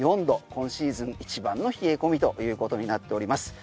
今シーズン一番の冷え込みということになっております。